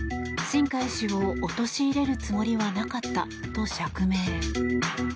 新開氏を陥れるつもりはなかったと釈明。